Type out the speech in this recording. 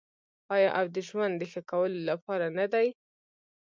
آیا او د ژوند د ښه کولو لپاره نه دی؟